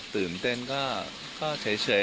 ตื่นเต้นก็เฉย